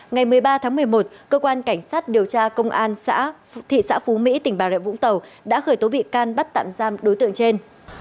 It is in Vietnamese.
ngày một mươi ba tháng một mươi một cơ quan cảnh sát điều tra công an xã thị xã phú mỹ tỉnh bà rịa vũng tàu đã khởi tố bị can bắt tạm giam đối tượng trên